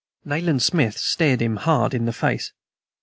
Nayland Smith stared him hard in the face.